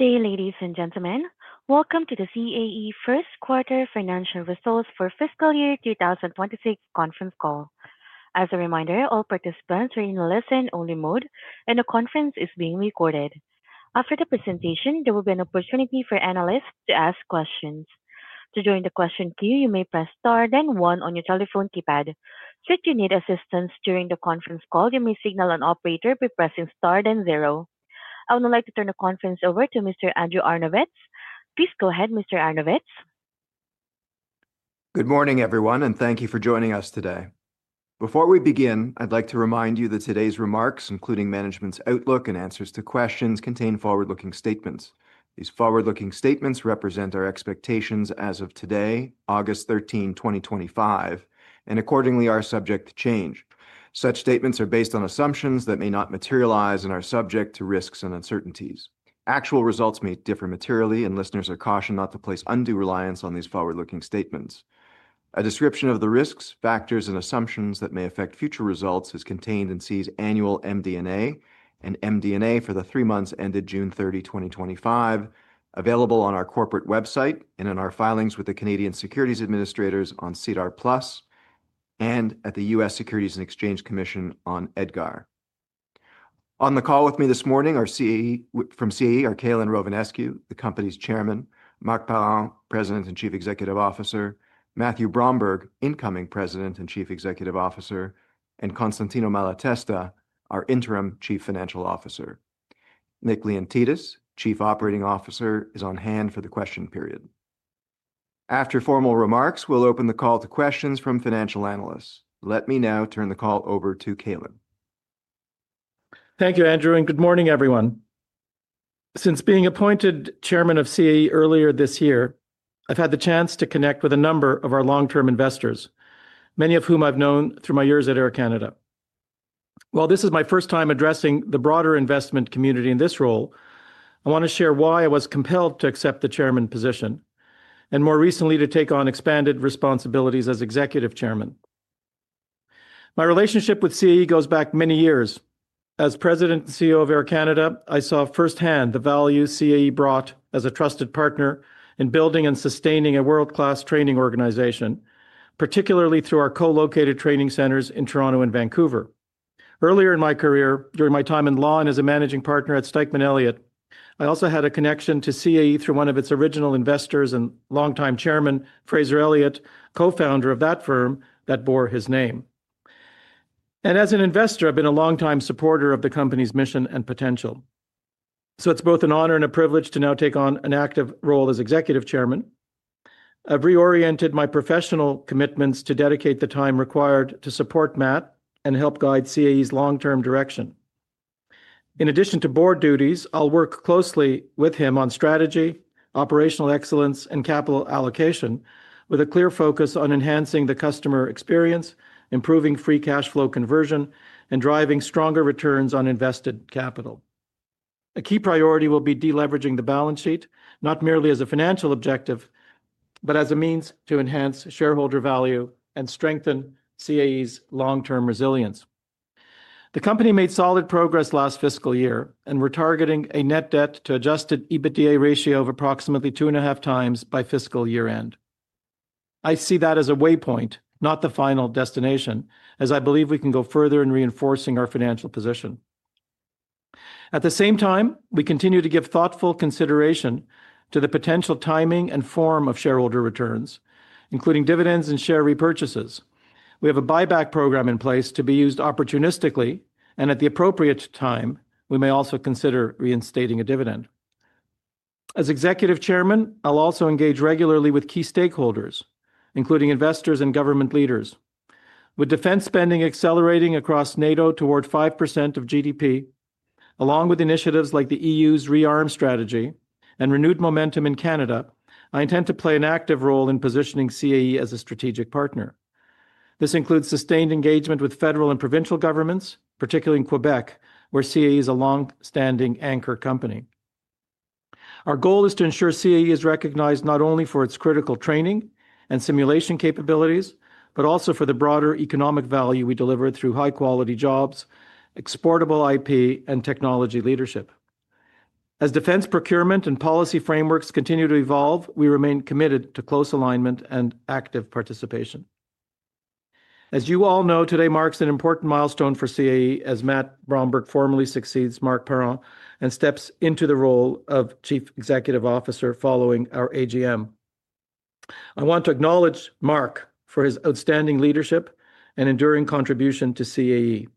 Hey ladies and gentlemen, welcome to the CAE First Quarter Financial Results for Fiscal Year 2026 Conference Call. As a reminder, all participants are in listen only mode and the conference is being recorded. After the presentation, there will be an opportunity for analysts to ask questions. To join the question queue, you may press star then one on your telephone keypad. Should you need assistance during the conference call, you may signal an operator by pressing star then zero. I would like to turn the conference over to Mr. Andrew Arnovitz. Please go ahead. Mr. Arnovitz. Good morning everyone and thank you. You for joining us today. Before we begin, I'd like to remind you that today's remarks, including management's outlook and answers to questions, contain forward-looking statements. These forward-looking statements represent our expectations as of today, August 13, 2025, and accordingly are subject to change. Such statements are based on assumptions that may not materialize and are subject to risks and uncertainties. Actual results may differ materially and listeners are cautioned not to place undue reliance on these forward-looking statements. A description of the risks, factors, and assumptions that may affect future results is contained in CAE's annual MD&A and MD for the three months ended June 30, 2025, available on our corporate website and in our filings with the Canadian securities administrators on SEDAR+ and at the U.S. Securities and Exchange Commission on EDGAR. On the call with me this morning from CAE. are Calin Rovinescu, the company's Chairman, Marc Parent, President and Chief Executive Officer, Matthew Bromberg, incoming President and Chief Executive Officer, and Constantino Malatesta, our Interim Chief Financial Officer. Nick Leontidis, Chief Operating Officer, is on hand for the question period. After formal remarks, we'll open the call to questions from financial analysts. Let me now turn the call over to Calin. Thank you, Andrew, and good morning, everyone. Since being appointed Chairman of CAE earlier this year, I've had the chance to connect with a number of our long-term investors, many of whom I've known through my years at Air Canada. While this is my first time addressing the broader investment community in this role, I want to share why I was compelled to accept the Chairman position and more recently to take on expanded responsibilities as Executive Chairman. My relationship with CAE goes back many years. As President and CEO of Air Canada, I saw firsthand the value CAE brought as a trusted partner in building and sustaining a world-class training organization, particularly through our co-located training centers in Toronto and Vancouver. Earlier in my career, during my time in law and as a Managing Partner at Stikeman Elliott, I also had a connection to CAE. through one of its original investors and longtime Chairman, Fraser Elliott, co-founder of that firm that bore his name, and as an investor, I've been a longtime supporter of the company's mission and potential, so it's both an honor and a privilege to now take on an active role. As Executive Chairman, I've reoriented my professional commitments to dedicate the time required to support Matt and help guide CAE's long-term direction. In addition to board duties, I'll work closely with him on strategy, operational excellence, and capital allocation with a clear focus on enhancing the customer experience, improving free cash flow conversion, and driving stronger returns on invested capital. A key priority will be deleveraging the balance sheet, not merely as a financial objective, but as a means to enhance shareholder value and strengthen CAE's long-term resilience. The company made solid progress last fiscal year, and we're targeting a net debt to adjusted EBITDA ratio of approximately 2.5x by fiscal year end. I see that as a waypoint, not the final destination, as I believe we can go further in reinforcing our financial position. At the same time, we continue to give thoughtful consideration to the potential timing and form of shareholder returns, including dividends and share repurchases. We have a buyback program in place to be used opportunistically, and at the appropriate time, we may also consider reinstating a dividend. As Executive Chairman, I'll also engage regularly with key stakeholders, including investors and government leaders. With defense spending accelerating across NATO toward 5% of GDP, along with initiatives like the EU's rearm strategy and renewed momentum in Canada, I intend to play an active role in positioning CAE as a strategic partner. This includes sustained engagement with federal and provincial governments, particularly in Quebec where CAE is a longstanding anchor company. Our goal is to ensure CAE is recognized not only for its critical training and simulation capabilities, but also for the broader economic value we deliver through high-quality jobs, exportable IP, and technology leadership. As defense procurement and policy frameworks continue to evolve, we remain committed to close alignment and active participation. As you all know, today marks an important milestone for CAE as Matthew Bromberg formally succeeds Marc Parent and steps into the role of Chief Executive Officer following our AGM. I want to acknowledge Marc for his outstanding leadership and enduring contribution to CAE.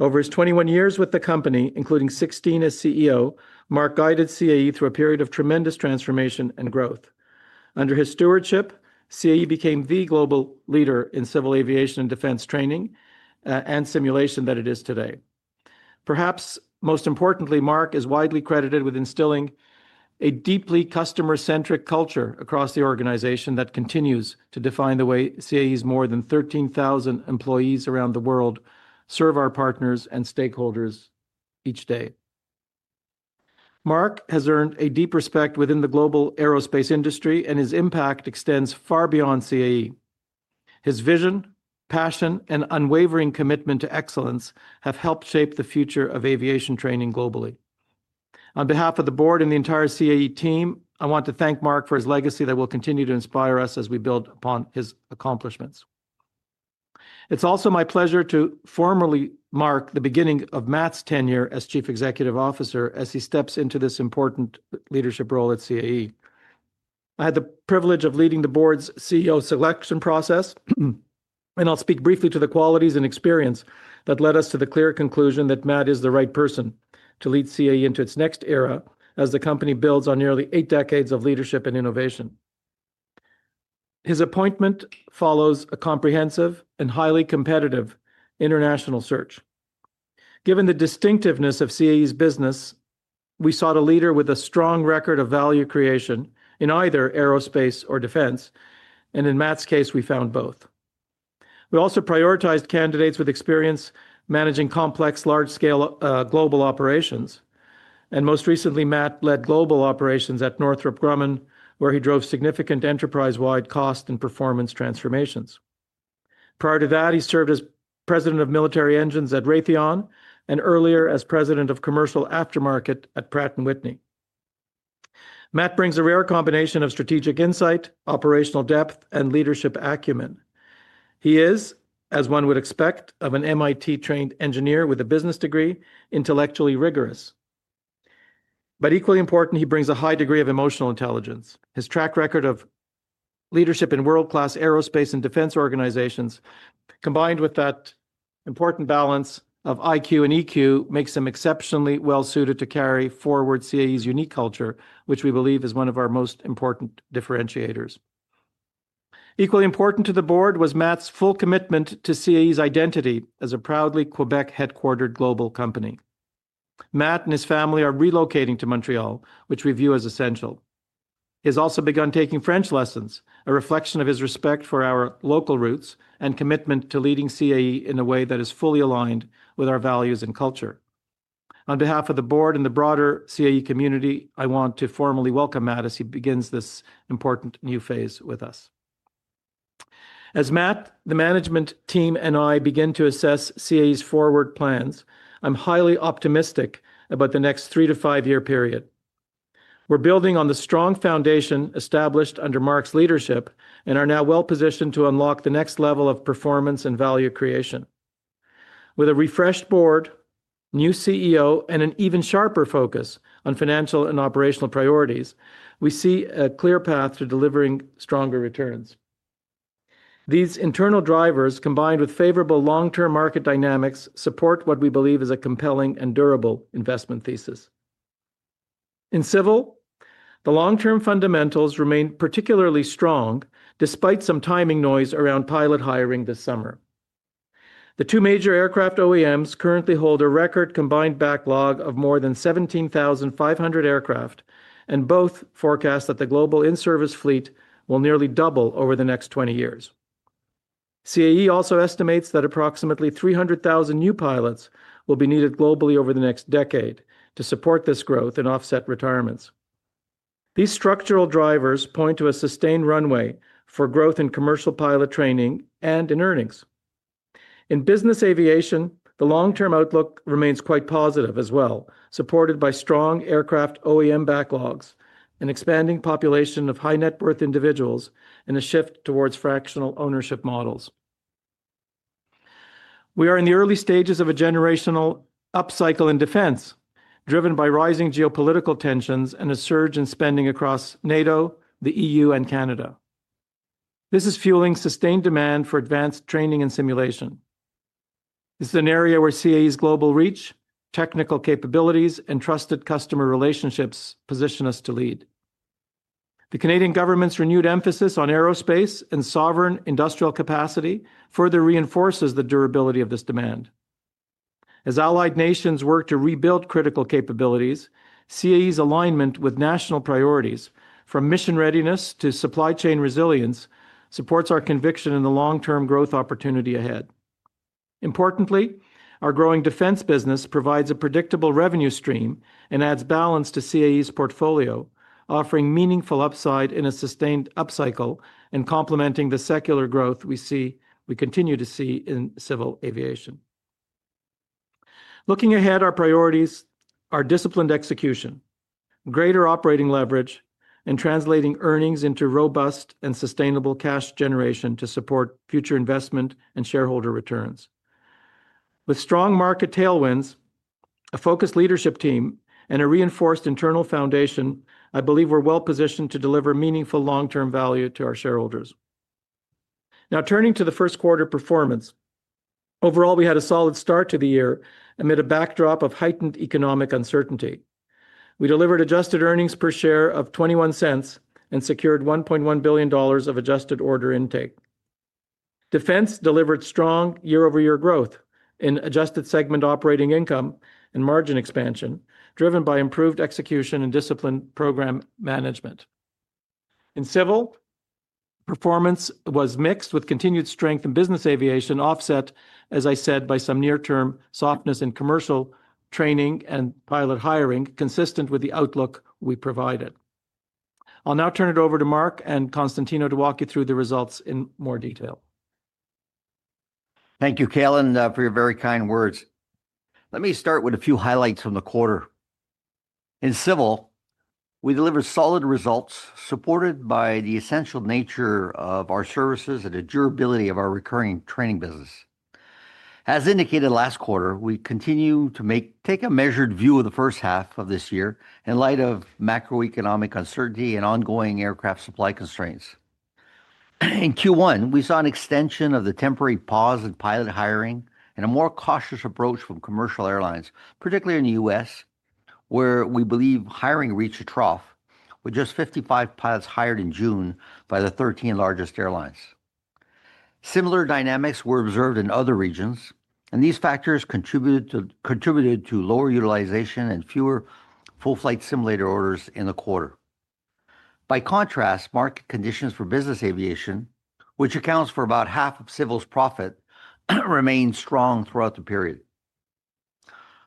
Over his 21 years with the company, including 16 as CEO, Marc guided CAE through a period of tremendous transformation and growth. Under his stewardship, CAE became the global leader in civil aviation and defense training and simulation that it is today. Perhaps most importantly, Marc is widely credited with instilling a deeply customer-centric culture across the organization that continues to define the way CAE's more than 13,000 employees around the world serve our partners and stakeholders each day. Marc has earned a deep respect within the global aerospace industry and his impact extends far beyond CAE. His vision, passion, and unwavering commitment to excellence have helped shape the future of aviation training globally. On behalf of the Board and the entire CAE team, I want to thank Marc for his legacy that will continue to inspire us as we build upon his accomplishments. It's also my pleasure to formally mark the beginning of Matthew's tenure as Chief Executive Officer as he steps into this important leadership role at CAE. I had the privilege of leading the Board's CEO selection process and I'll speak briefly to the qualities and experience that led us to the clear conclusion that Matthew is the right person to lead CAE into its next era. As the company builds on nearly eight decades of leadership and innovation, his appointment follows a comprehensive and highly competitive international search. Given the distinctiveness of CAE's business, we sought a leader with a strong record of value creation in either aerospace or defense. In Matt's case, we found both. We also prioritized candidates with experience managing complex large-scale global operations. Most recently, Matt led global operations at Northrop Grumman, where he drove significant enterprise-wide cost and performance transformations. Prior to that, he served as President of Military Engines at Raytheon and earlier as President of Commercial Aftermarket at Pratt & Whitney. Matt brings a rare combination of strategic insight, operational depth, and leadership acumen. He is, as one would expect of an MIT-trained engineer with a business degree, intellectually rigorous. Equally important, he brings a high degree of emotional intelligence, and his track record of leadership in world-class aerospace and defense organizations, combined with that important balance of IQ and EQ, makes him exceptionally well suited to carry forward CAE's unique culture, which we believe is one of our most important differentiators. Equally important to the Board was Matt's full commitment to CAE's identity as a proudly Quebec-headquartered global company. Matt and his family are relocating to Montreal, which we view as essential. He has also begun taking French lessons, a reflection of his respect for our local roots and commitment to leading CAE in a way that is fully aligned with our values and culture. On behalf of the Board and the broader CAE community, I want to formally welcome Matt as he begins this important new phase with us. As Matt, the management team, and I begin to assess CAE's forward plans, I'm highly optimistic about the next three to five year period. We're building on the strong foundation established under Marc's leadership and are now well positioned to unlock the next level of performance and value creation. With a refreshed Board, new CEO, and an even sharper focus on financial and operational priorities, we see a clear path to delivering stronger returns. These internal drivers, combined with favorable long-term market dynamics, support what we believe is a compelling and durable investment thesis. In civil, the long-term fundamentals remain particularly strong despite some timing noise around pilot hiring this summer. The two major aircraft OEMs currently hold a record combined backlog of more than 17,500 aircraft, and both forecast that the global in-service fleet will nearly double over the next 20 years. CAE also estimates that approximately 300,000 new pilots will be needed globally over the next decade to support this growth and offset retirements. These structural drivers point to a sustained runway for growth in commercial pilot training and in earnings in business aviation. The long-term outlook remains quite positive as well, supported by strong aircraft OEM backlogs, an expanding population of high net worth individuals, and a shift towards fractional ownership models. We are in the early stages of a generational upcycle in defense driven by rising geopolitical tensions and a surge in spending across NATO, the EU, and Canada. This is fueling sustained demand for advanced training and simulation. This is an area where CAE's global reach, technical capabilities, and trusted customer relationships position us to lead. The Canadian government's renewed emphasis on aerospace and sovereign industrial capacity further reinforces the durability of this demand as allied nations work to rebuild critical capabilities. CAE's alignment with national priorities from mission readiness to supply chain resilience supports our conviction in the long-term growth opportunity ahead. Importantly, our growing defense business provides a predictable revenue stream and adds balance to CAE's portfolio, offering meaningful upside in a sustained upcycle and complementing the secular growth we continue to see in civil aviation. Looking ahead, our priorities are disciplined execution, greater operating leverage, and translating earnings into robust and sustainable cash generation to support future investment and shareholder returns. With strong market tailwinds, a focused leadership team, and a reinforced internal foundation, I believe we're well positioned to deliver meaningful long-term value to our shareholders. Now turning to the first quarter performance, overall we had a solid start to the year amid a backdrop of heightened economic uncertainty. We delivered adjusted EPS of $0.21 and secured $1.1 billion of adjusted order intake. Defense delivered strong year-over-year growth in adjusted segment operating income and margin expansion driven by improved execution and disciplined program management. In civil, performance was mixed with continued strength in business aviation, offset, as I said, by some near term softness in commercial training and pilot hiring, consistent with the outlook we provided. I'll now turn it over to Marc and Constantino to walk you through the results in more detail. Thank you Calin for your very kind words. Let me start with a few highlights from the quarter. In civil we delivered solid results supported by the essential nature of our services and the durability of our recurring training business. As indicated last quarter, we continue to take a measured view of the first half of this year in light of macroeconomic uncertainty and ongoing aircraft supply constraints. In Q1 we saw an extension of the temporary pause in pilot hiring and a more cautious approach from commercial airlines, particularly in the U.S. where we believe hiring reached a trough with just 55 pilots hired in June by the 13 largest airlines. Similar dynamics were observed in other regions and these factors contributed to lower utilization and fewer full-flight simulator orders in the quarter. By contrast, market conditions for business aviation, which accounts for about half of civil's profit, remained strong throughout the period.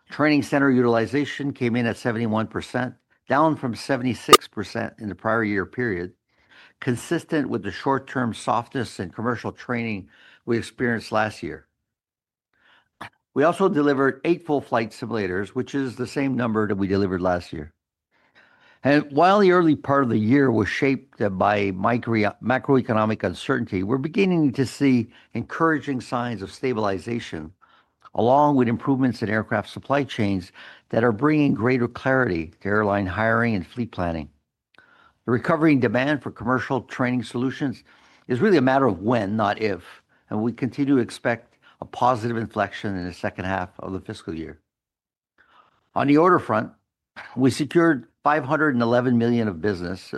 Training center utilization came in at 71%, down from 76% in the prior year period. Consistent with the short-term softness in commercial training we experienced last year, we also delivered eight full-flight simulators, which is the same number that we delivered last year. While the early part of the year was shaped by macroeconomic uncertainty, we're beginning to see encouraging signs of stabilization along with improvements in aircraft supply chains that are bringing greater clarity to airline hiring and fleet planning. The recovery in demand for commercial training solutions is really a matter of when, not if, and we continue to expect a positive inflection in the second half of the fiscal year. On the order front, we secured $511 million of business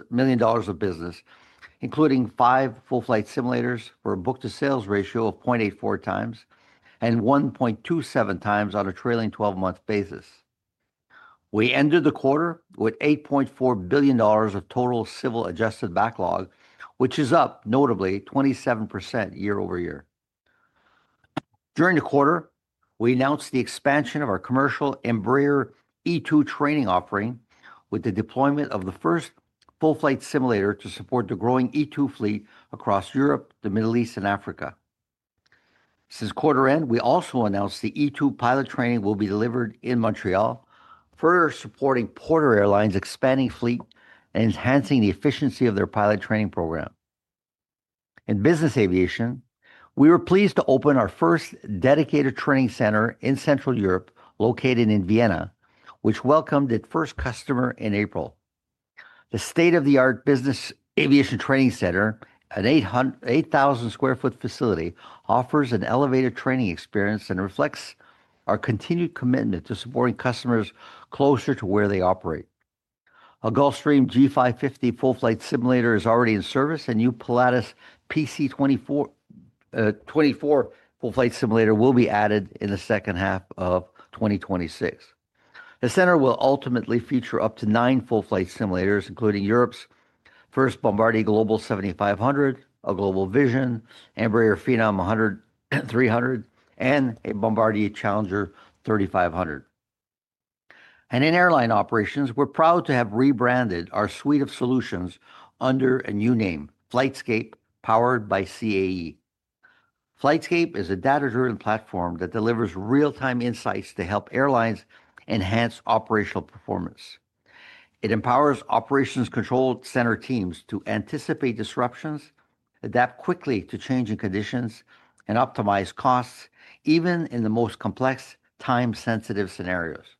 including five full-flight simulators for a book to sales ratio of 0.84x and 1.27x on a trailing 12-month basis. We ended the quarter with $8.4 billion of total civil adjusted backlog, which is up notably 27% year over year. During the quarter we announced the expansion of our commercial Embraer E2 training offering with the deployment of the first full-flight simulator to support the growing E2 fleet across Europe, the Middle East and Africa. Since quarter end, we also announced the E2 pilot training will be delivered in Montreal, further supporting Porter Airlines' expanding fleet and enhancing the efficiency of their pilot training program. In business aviation, we were pleased to open our first dedicated training center in Central Europe, located in Vienna, which welcomed its first customer in April. The state-of-the-art Business Aviation Training Center, an 8,000 square foot facility, offers an elevated training experience and reflects our continued commitment to supporting customers closer to where they operate. A Gulfstream G550 full-flight simulator is already in service. A new Pilatus PC24 full-flight simulator will be added in the second half of 2026. The center will ultimately feature up to nine full-flight simulators, including Europe's first Bombardier Global 7500, a Global Vision, Embraer Phenom 100/300, and a Bombardier Challenger 3500. In airline operations, we're proud to have rebranded our suite of solutions under a new name, Flightscape. Powered by CAE, Flightscape is a data-driven platform that delivers real-time insights to help airlines enhance operational performance. It empowers operations control center teams to anticipate disruptions, adapt quickly to changing conditions, and optimize costs even in the most complex, time-sensitive scenarios.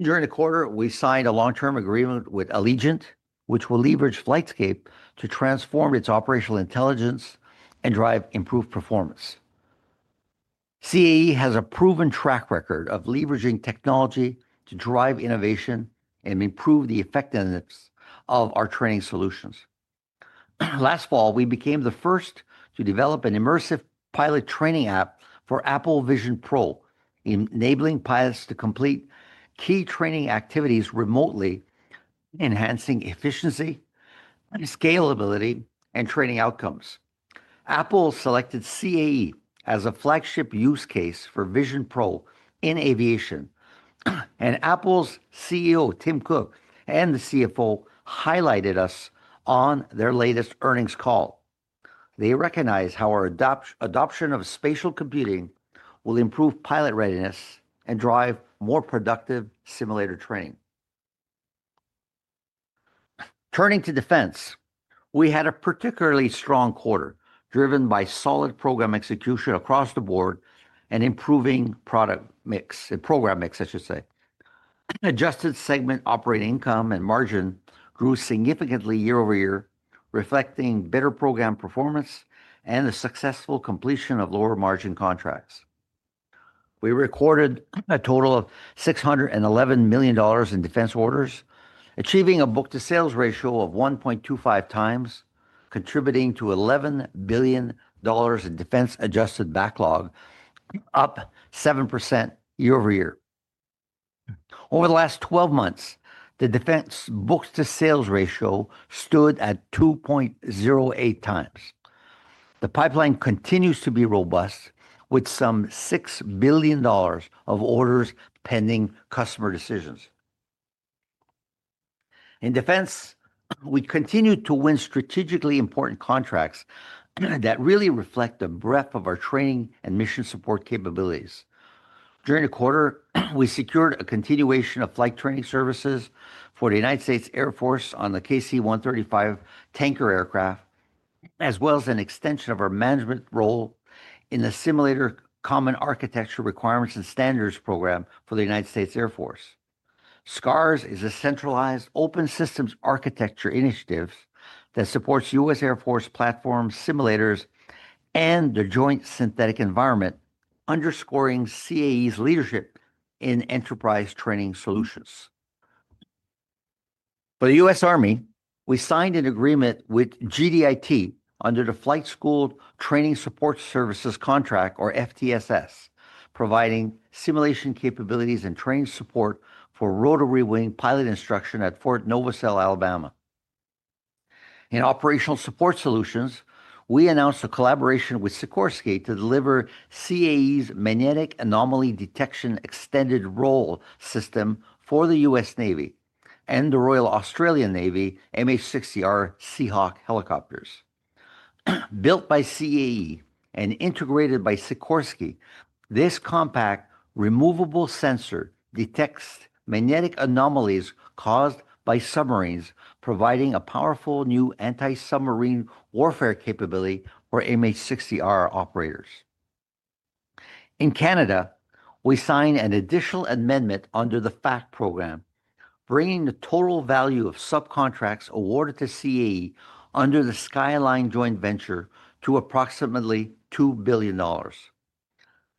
During the quarter, we signed a long-term agreement with Allegiant, which will leverage Flightscape to transform its operational intelligence and drive improved performance. CAE has a proven track record of leveraging technology to drive innovation and improve the effectiveness of our training solutions. Last fall, we became the first to develop an immersive pilot training app for Apple Vision Pro, enabling pilots to complete key training activities remotely, enhancing efficiency, scalability, and training outcomes. Apple selected CAE as a flagship use case for Vision Pro in aviation, and Apple's CEO Tim Cook and the CFO highlighted us on their latest earnings call. They recognize how our adoption of spatial computing will improve pilot readiness and drive more productive simulator training. Turning to defense, we had a particularly strong quarter driven by solid program execution across the board and improving product mix. Adjusted segment operating income and margin grew significantly year over year, reflecting better program performance and the successful completion of lower margin contracts. We recorded a total of $611 million in defense orders, achieving a book to sales ratio of 1.25x, contributing to $11 billion in defense. Adjusted backlog up 7% year over year. Over the last 12 months the defense book to sales ratio stood at 2.08x. The pipeline continues to be robust with some $6 billion of orders pending customer decisions. In defense, we continue to win strategically important contracts that really reflect the breadth of our training and mission support capabilities. During the quarter we secured a continuation of flight training services for the U.S. Air Force on the KC135 tanker aircraft as well as an extension of our management role in the simulator Common Architecture Requirements and Standards Program for the U.S. Air Force. SCARS is a centralized open systems architecture initiative that supports U.S. Air Force platform simulators and the Joint synthetic environment. Underscoring CAE's leadership in enterprise training solutions for the U.S. Army, we signed an agreement with GDIT under the Flight School Training Support Services Contract, or FTSS, providing simulation capabilities and training support for rotary wing pilot instruction at Fort Novosel, Alabama. In Operational Support Solutions, we announced a collaboration with Sikorsky to deliver CAE's Magnetic Anomaly Detection Extended Roll System for the U.S. Navy and the Royal Australian Navy MH-60R Seahawk helicopters. Built by CAE and integrated by Sikorsky, this compact removable sensor detects magnetic anomalies caused by submarines, providing a powerful new anti-submarine warfare capability for MH-60R operators. In Canada, we signed an additional amendment under the FAC program bringing the total value of subcontracts awarded to CAE under the Skyline Joint Venture to approximately $2 billion.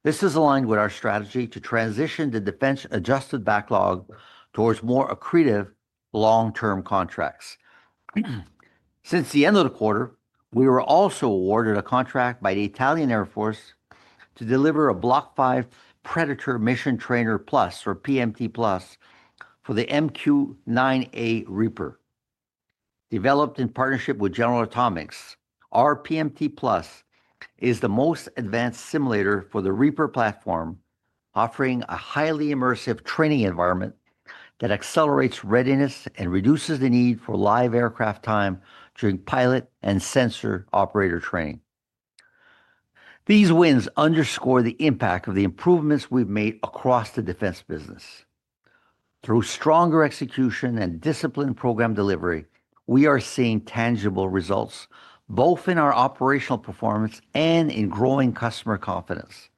This is aligned with our strategy to transition the Defense adjusted backlog towards more accretive long-term contracts. Since the end of the quarter, we were also awarded a contract by the Italian Air Force to deliver a Block 5 Predator Mission Trainer, or PMT, for the MQ-9A Reaper. Developed in partnership with General Atomics, our PMT is the most advanced simulator for the Reaper platform, offering a highly immersive training environment that accelerates readiness and reduces the need for live aircraft time during pilot and sensor operator training. These wins underscore the impact of the improvements we've made across the defense business. Through stronger execution and disciplined program delivery, we are seeing tangible results both in our operational performance and in growing customer confidence.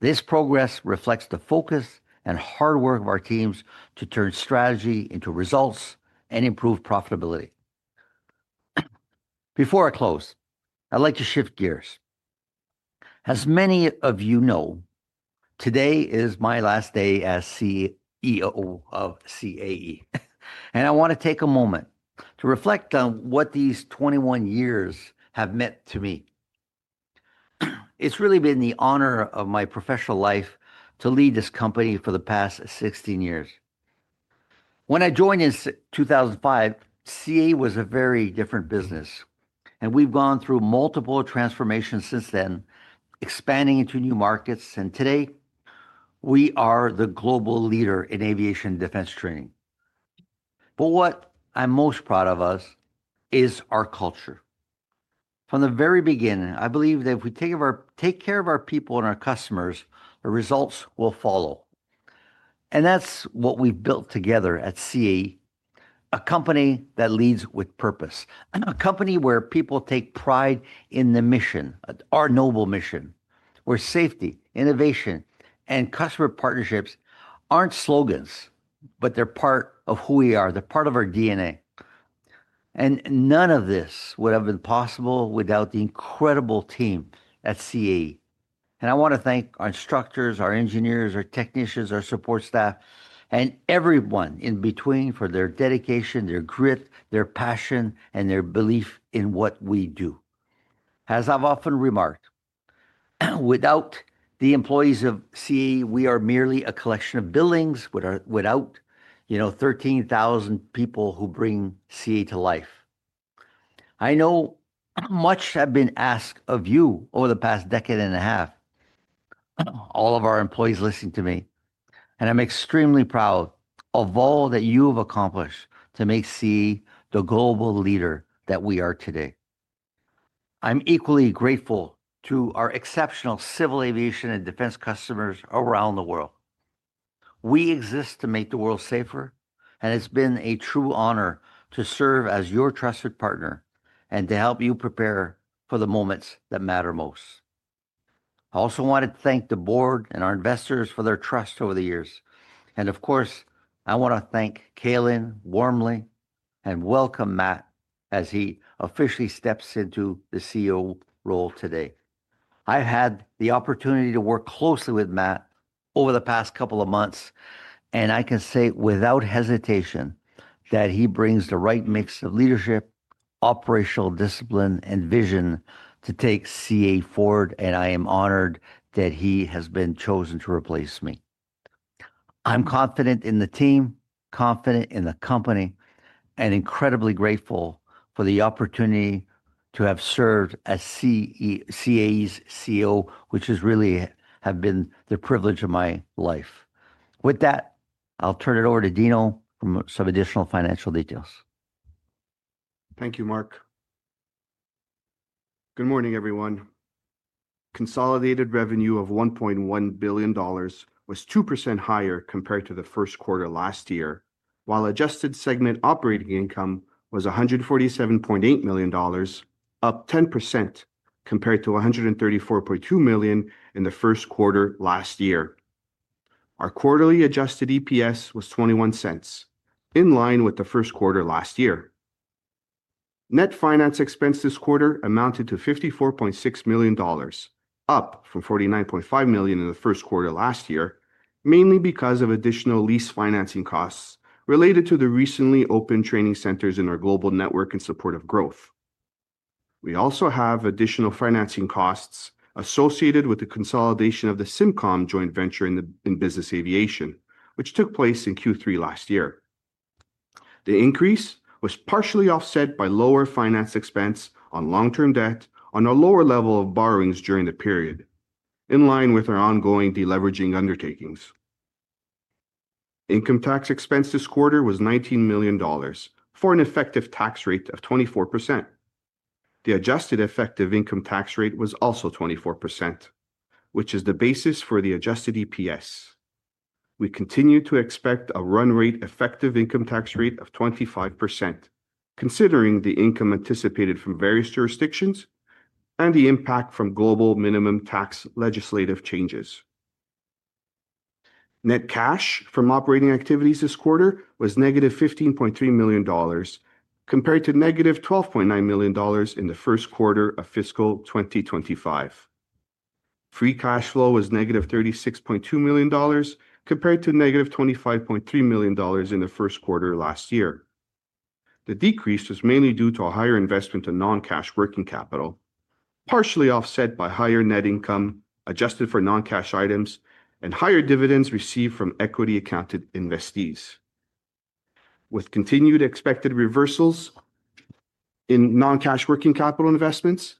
This progress reflects the focus and hard work of our teams to turn strategy into results and improve profitability. Before I close, I'd like to shift gears. As many of you know, today is my last day as CEO of CAE. and I want to take a moment to reflect on what these 21 years have meant to me. It's really been the honor of my professional life to lead this company for the past 16 years. When I joined in 2005, CAE was a very different business and we've gone through multiple transformations since then, expanding into new markets and today we are the global leader in aviation defense training. What I'm most proud of is our culture. From the very beginning, I believe that if we take care of our people and our customers, the results will follow. That's what we've built together at CAE, a company that leads with purpose, a company where people take pride in the mission, our noble mission, where safety, innovation, and customer partnerships aren't slogans, but they're part of who we are. They're part of our DNA. None of this would have been possible without the incredible team at CAE. I want to thank our instructors, our engineers, our technicians, our support staff, and everyone in between for their dedication, their grit, their passion, and their belief in what we do. As I've often remarked, without the employees of CAE, we are merely a collection of buildings. Without 13,000 people who bring CAE. to life, I know much has been asked of you over the past decade and a half, all of our employees listening to me, and I'm extremely proud of all that you have accomplished to make CAE the global leader that we are today. I'm equally grateful to our exceptional civil aviation and defense customers around the world. We exist to make the world safer, and it's been a true honor to serve as your trusted partner and to help you prepare for the moments that matter most. I also wanted to thank the board and our investors for their trust over the years. Of course, I want to thank Calin warmly and welcome Matt as he officially steps into the CEO role today. I had the opportunity to work closely with Matt over the past couple of months, and I can say without hesitation that he brings the right mix of leadership, operational discipline, and vision to take CAE forward. I am honored that he has been chosen to replace me. I'm confident in the team, confident in the company, and incredibly grateful for the opportunity to have served as CAE's CEO, which really has been the privilege of my life. With that, I'll turn it over to Dino for some additional financial details. Thank you, Marc. Good morning everyone. Consolidated revenue of $1.1 billion was 2% higher compared to the first quarter last year, while adjusted segment operating income was $147.8 million, up 10% compared to $134.2 million in the first quarter last year. Our quarterly adjusted EPS was $0.21, in line with the first quarter last year. Net finance expense this quarter amounted to $54.6 million, up from $49.5 million in the first quarter last year, mainly because of additional lease financing costs related to the recently opened training centers in our global network in support of growth. We also have additional financing costs associated with the consolidation of the Simcom joint venture in business aviation, which took place in Q3 last year. The increase was partially offset by lower finance expense on long-term debt on a lower level of borrowings during the period, in line with our ongoing deleveraging undertakings. Income tax expense this quarter was $19 million for an effective tax rate of 24%. The adjusted effective income tax rate was also 24%, which is the basis for the adjusted EPS. We continue to expect a run rate effective income tax rate of 25% considering the income anticipated from various jurisdictions and the impact from global minimum tax legislative changes. Net cash from operating activities this quarter was -$15.3 million compared to -$12.9 million in the first quarter of fiscal 2025. Free cash flow was -$36.2 million compared to -$25.3 million in the first quarter last year. The decrease was mainly due to a higher investment in non-cash working capital, partially offset by higher net income adjusted for non-cash items and higher dividends received from equity-accounted investees. With continued expected reversals in non-cash working capital investments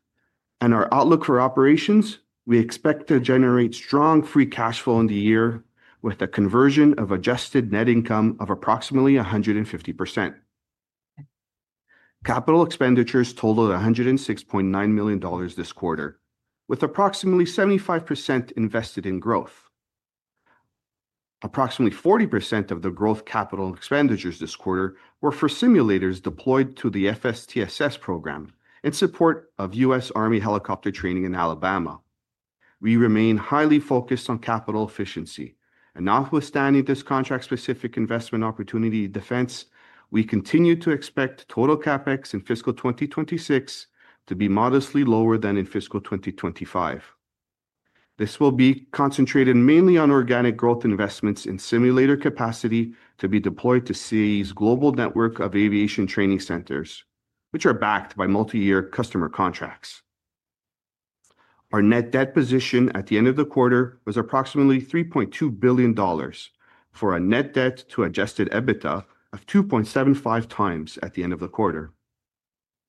and our outlook for operations, we expect to generate strong free cash flow in the year with a conversion of adjusted net income of approximately 150%. Capital expenditures totaled $106.9 million this quarter with approximately 75% invested in growth. Approximately 40% of the growth capital expenditures this quarter were for simulators deployed to the FSTSS program in support of U.S. Army helicopter training in Alabama. We remain highly focused on capital efficiency, and notwithstanding this contract-specific investment opportunity in defense, we continue to expect total CapEx in fiscal 2026 to be modestly lower than in fiscal 2025. This will be concentrated mainly on organic growth investments in simulator capacity to be deployed to CAE's global network of aviation training centers, which are backed by multi-year customer contracts. Our net debt position at the end of the quarter was approximately $3.2 billion for a net debt to adjusted EBITDA of 2.75x at the end of the quarter.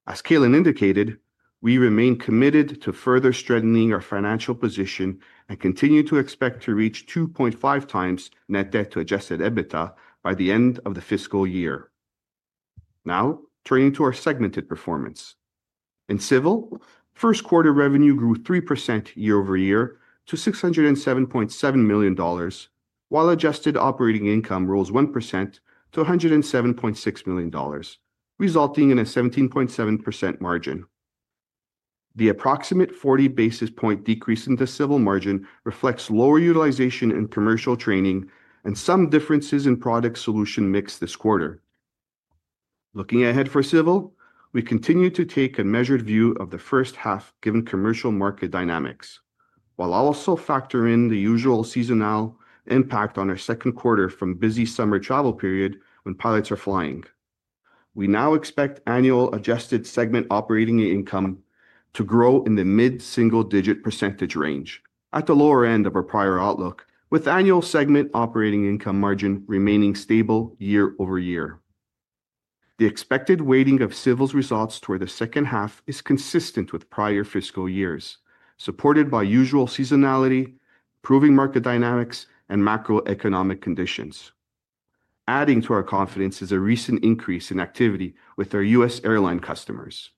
As Calin indicated, we remain committed to further strengthening our financial position and continue to expect to reach 2.5x net debt to adjusted EBITDA by the end of the fiscal year. Now turning to our segmented performance in Civil, first quarter revenue grew 3% year over year to $607.7 million, while adjusted operating income rose 1% to $107.6 million, resulting in a 17.7% margin. The approximate 40 basis point decrease in the Civil margin reflects lower utilization in commercial training and some differences in product solution mix this quarter. Looking ahead for Civil, we continue to take a measured view of the first half given commercial market dynamics, while also factoring in the usual seasonal impact on our second quarter from the busy summer travel period when pilots are flying. We now expect annual adjusted segment operating income to grow in the mid-single-digit percentage range at the lower end of our prior outlook, with annual segment operating income margin remaining stable year over year. The expected weighting of Civil's results toward the second half is consistent with prior fiscal years, supported by usual seasonality, prevailing market dynamics, and macroeconomic conditions. Adding to our confidence is a recent increase in activity with our U.S. airline customers.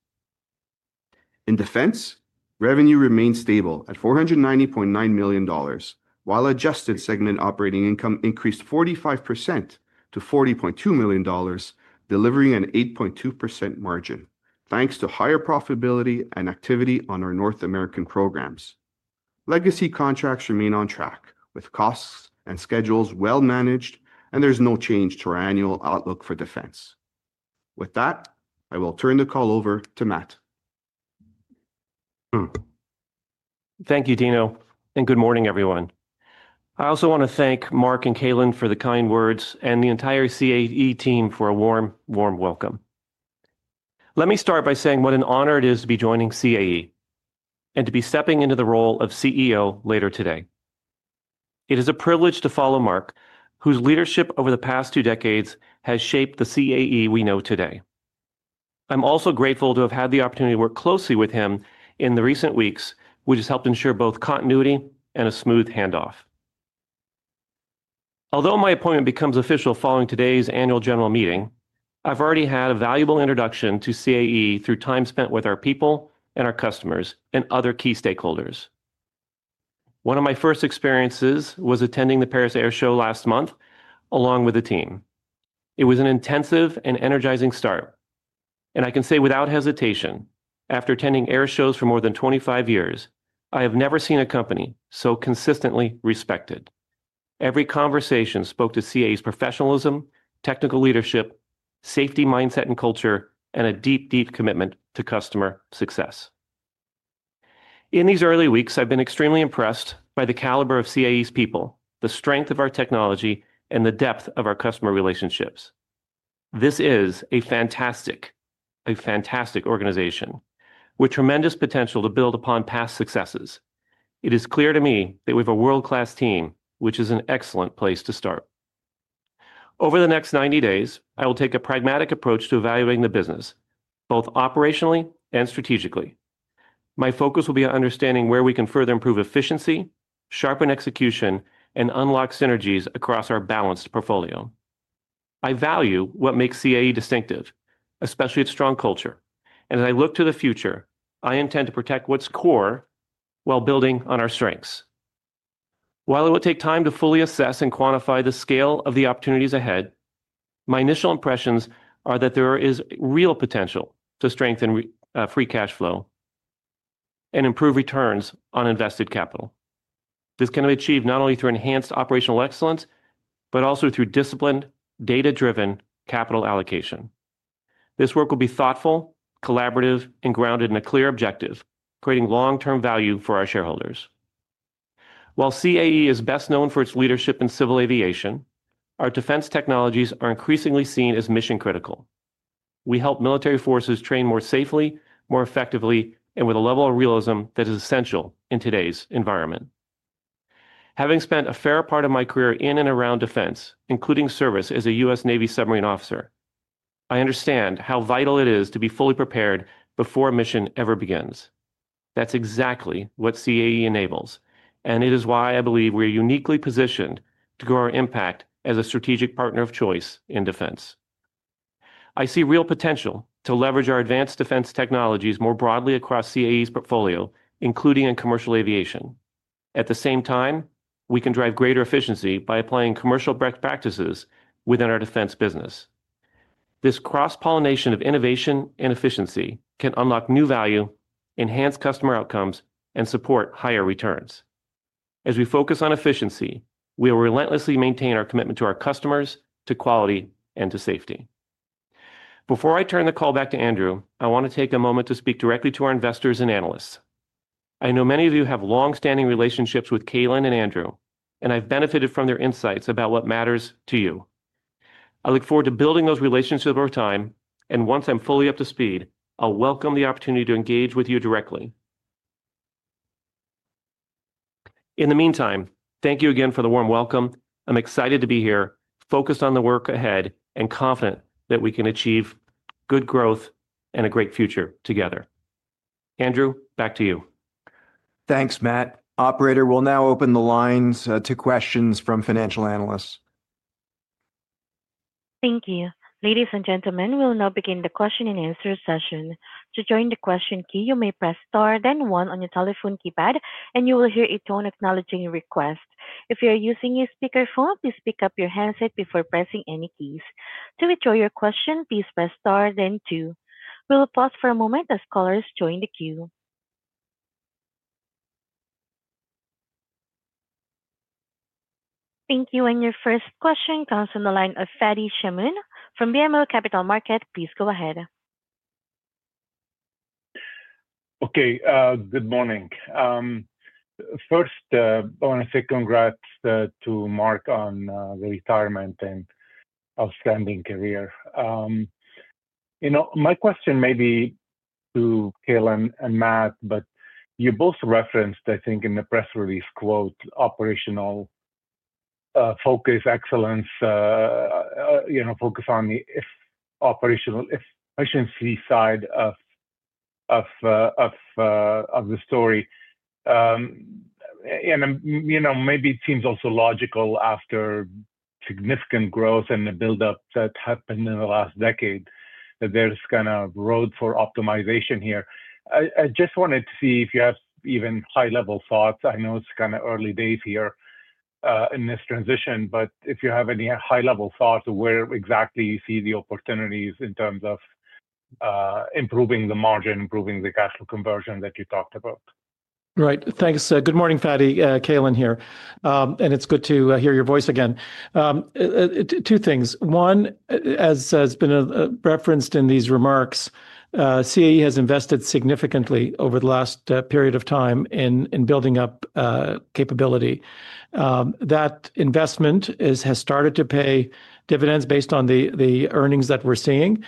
In Defense, revenue remained stable at $490.9 million, while adjusted segment operating income increased 45% to $40.2 million, delivering an 8.2% margin thanks to higher profitability and activity on our North American programs. Legacy contracts remain on track with costs and schedules well managed, and there's no change to our annual outlook for Defense. With that, I will turn the call over to Matt. Thank you, Dino, and good morning, everyone. I also want to thank Marc and Calin for the kind words and the entire CAE team for a warm, warm welcome. Let me start by saying what an honor it is to be joining CAE and to be stepping into the role of CEO later today. It is a privilege to follow Marc, whose leadership over the past two decades has shaped the CAE we know today. I'm also grateful to have had the opportunity to work closely with him in the recent weeks, which has helped ensure both continuity and a smooth handoff. Although my appointment becomes official following today's annual general meeting, I've already had a valuable introduction to CAE through time spent with our people, our customers, and other key stakeholders. One of my first experiences was attending the Paris Air Show last month along with the team. It was an intensive and energizing start, and I can say without hesitation, after attending air shows for more than 25 years, I have never seen a company so consistently respected. Every conversation spoke to CAE's professionalism, technical leadership, safety mindset and culture, and a deep, deep commitment to customer success. In these early weeks, I've been extremely impressed by the caliber of CAE's people, the strength of our technology, and the depth of our customer relationships. This is a fantastic organization with tremendous potential to build upon past successes. It is clear to me that we have a world-class team, which is an excellent place to start. Over the next 90 days, I will take a pragmatic approach to evaluating the business both operationally and strategically. My focus will be on understanding where we can further improve efficiency, sharpen execution, and unlock synergies across our balanced portfolio. I value what makes CAE distinctive, especially its strong culture. As I look to the future, I intend to protect what's core while building on our strengths. While it will take time to fully assess and quantify the scale of the opportunities ahead, my initial impressions are that there is real potential to strengthen free cash flow and improve returns on invested capital. This can be achieved not only through enhanced operational excellence, but also through disciplined, data-driven capital allocation. This work will be thoughtful, collaborative, and grounded in a clear objective: creating long-term value for our shareholders. While CAE is best known for its leadership in civil aviation, our defense technologies are increasingly seen as mission critical. We help military forces train more safely, more effectively, and with a level of realism that is essential in today's environment. Having spent a fair part of my career in and around defense, including service as a U.S. Navy submarine officer, I understand how vital it is to be fully prepared before a mission ever begins. That's exactly what CAE enables, and it is why I believe we are uniquely positioned to grow our impact as a strategic partner of choice in defense. I see real potential to leverage our advanced defense technologies more broadly across CAE's portfolio, including in commercial aviation. At the same time, we can drive greater efficiency by applying commercial best practices within our defense business. This cross-pollination of innovation and efficiency can unlock new value, enhance customer outcomes, and support higher returns. As we focus on efficiency, we will relentlessly maintain our commitment to our customers, to quality, and to safety. Before I turn the call back to Andrew, I want to take a moment to speak directly to our investors and analysts. I know many of you have long-standing relationships with Calin and Andrew, and I've benefited from their insights about what matters to you. I look forward to building those relationships over time, and once I'm fully up to speed, I'll welcome the opportunity to engage with you directly. In the meantime, thank you again for the warm welcome. I'm excited to be here, focused on the work ahead, and confident that we can achieve good growth and a great future together. Andrew, back to you. Thanks, Matt. Operator, we'll now open the lines to questions from financial analysts. Thank you, ladies and gentlemen. We will now begin the question and answer session. To join the question queue, you may press star, then one on your telephone keypad, and you will hear a tone acknowledging your request. If you are using your speakerphone, please pick up your handset before pressing any keys. To withdraw your question, please press star, then two. We will pause for a moment as callers join the queue. Thank you. Your first question comes from the line of Fadi Chamoun from BMO Capital Markets. Please go ahead. Okay, good morning. First, I want to say congrats to Marc on the retirement and outstanding career. My question may be to Calin and Matt, but you both referenced, I think in the press release, quote, operational focus, excellence, focus on the operational efficiency side of the story. Maybe it seems also logical after significant growth and the buildup that happened in the last decade that there's kind of road for optimization here. I just wanted to see if you have even high-level thoughts. I know it's kind of early days here in this transition, but if you have any high-level thoughts of where exactly you see the opportunities in terms of improving the margin, improving the cash flow conversion that you talked about. Right, thanks. Good morning. Fadi Calin here and it's good to hear your voice again. Two things. One, as has been referenced in these remarks, CAE has invested significantly over the last period of time in building up capability. That investment has started to pay dividends based on the earnings that we're seeing.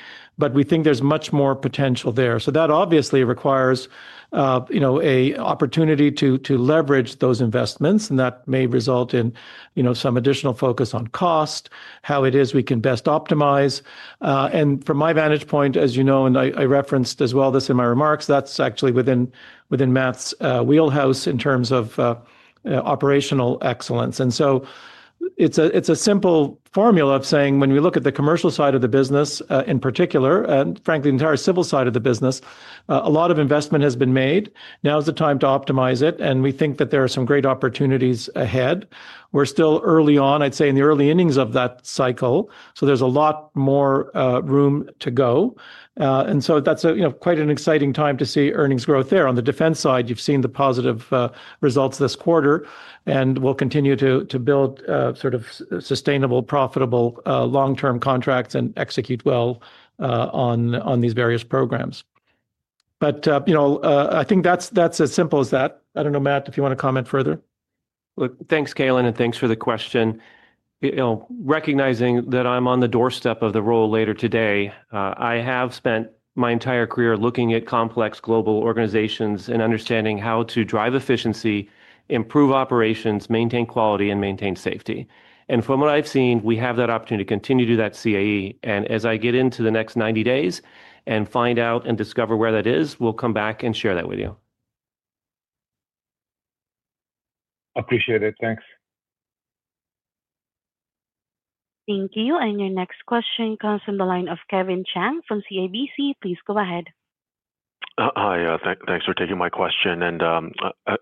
We think there's much more potential there that obviously requires an opportunity to leverage those investments and that may result in some additional focus on cost, how it is we can best optimize. From my vantage point, as you know, and I referenced this in my remarks, that's actually within Matt's wheelhouse in terms of operational excellence. It's a simple formula of saying when we look at the commercial side of the business in particular, and frankly the entire civil side of the business, a lot of investment has been, now's the time to optimize it and we think that there are some great opportunities ahead. We're still early on, I'd say in the early innings of that cycle. There's a lot more room to go. That's quite an exciting time to see earnings growth there. On the defense side, you've seen the positive results this quarter and we'll continue to build sort of sustainable, profitable long term contracts and execute well on these various programs. I think that's as simple as that. I don't know, Matt, if you want to comment further? Look. Thanks, Calin, and thanks for the question. You know, recognizing that I'm on the doorstep of the role later today, I have spent my entire career looking at complex global organizations and understanding how to drive efficiency, improve operations, maintain quality, and maintain safety. From what I've seen, we have that opportunity to continue to do that at CAE. As I get into the next 90 days and find out and discover where that is, we'll come back and share that with you. Appreciate it. Thanks. Thank you. Your next question comes from the line of Kevin Chiang from CIBC. Please go ahead. Hi. Thanks for taking my question and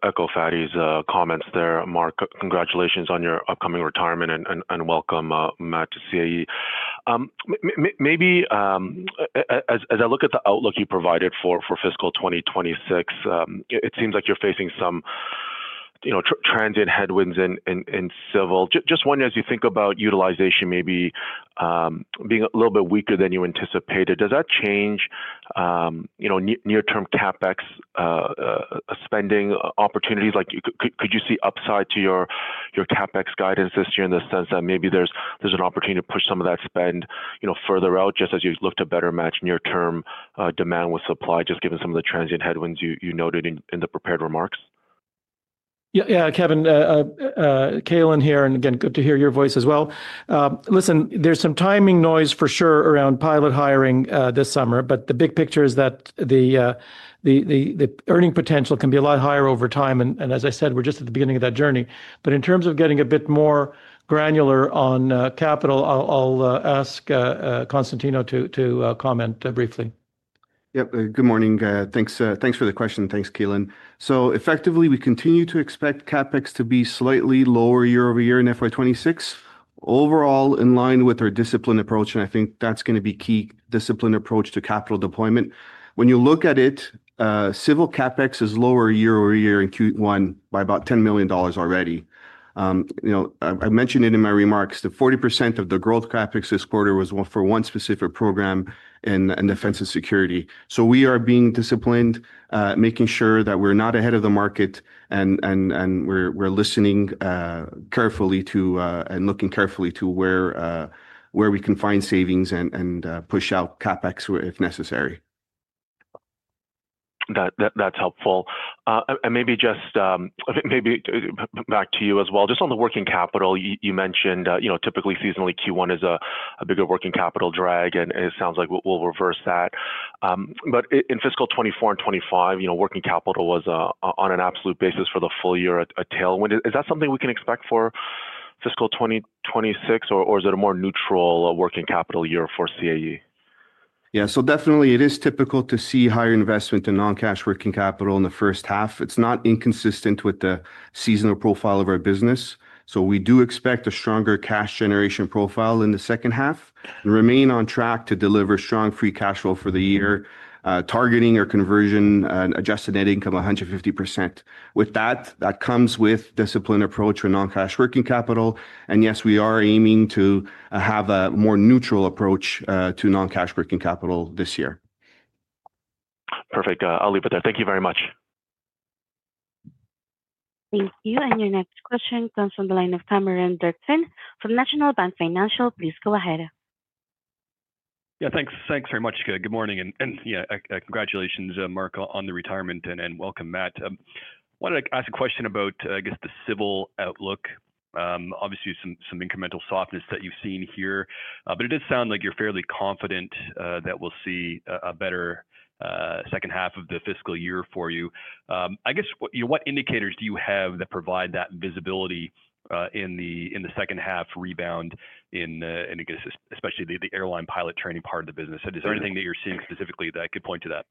echo Fadi's comments there. Marc, congratulations on your upcoming retirement and welcome Matt, to CAE. Maybe as I look at the outlook you provided for fiscal 2026, it seems like you're facing some transient headwinds in civil. Just wondering, as you think about utilization maybe being a little bit weaker than you anticipated, does that change near term CapEx spending opportunities? Could you see upside to your CapEx guidance this year in the sense that maybe there's an opportunity to push some of that spend further out, just as you look to better match near term demand with supply, just given some of the transient headwinds you noted in the prepared remarks? Yeah. Kevin Calin here. Good to hear your voice as well. There's some timing noise for sure around pilot hiring this summer, but the big picture is that the earning potential can be a lot higher over time. As I said, we're just at the beginning of that journey. In terms of getting a bit more granular on capital, I'll ask Constantino to comment briefly. Yep. Good morning. Thanks for the question. Thanks, Calin. We continue to expect CapEx to be slightly lower year over year in FY 2026 overall, in line with our disciplined approach. I think that's going to be key: a disciplined approach to capital deployment. When you look at it, civil CapEx is lower year over year in Q1 by about $10 million already. I mentioned it in my remarks. 40% of the growth CapEx this quarter was for one specific program in defense and security. We are being disciplined, making sure that we're not ahead of the market. We're listening carefully to and looking carefully to where we can find savings and push out CapEx if necessary. That's helpful. Maybe, just maybe back to you as well. Just on the working capital you mentioned, you know, typically seasonally Q1 is a bigger working capital drag, and it sounds like we'll reverse that in fiscal 2024 and 2025. Working capital was, on an absolute basis for the full year, a tailwind. Is that something we can expect for fiscal 2026, or is it a more neutral working capital year for CAE? Yeah. It is typical to see higher investment in non-cash working capital in the first half. It's not inconsistent with the seasonal profile of our business. We do expect a stronger cash generation profile in the second half and remain on track to deliver strong free cash flow for the year, targeting our conversion adjusted net income 150% with that. That comes with disciplined approach with non-cash working capital. Yes, we are aiming to have a more neutral approach to non-cash working capital this year. Perfect. I'll leave it there. Thank you very much. Thank you. Your next question comes from the line of Cameron Doerksen from National Bank Financial. Please go ahead. Yeah, thanks. Thanks very much. Good morning and yeah, congratulations Marc, on the retirement and welcome. Matt, wanted to ask a question about I guess the civil outlook. Obviously some incremental softness that you've seen here, but it does sound like you're fairly confident that we'll see a better second half of the fiscal year for you. I guess what indicators do you have that provide that visibility in the, in the second half, rebound in and I guess especially the airline pilot training part of the business. Is there anything that you're seeing specifically that could point to that?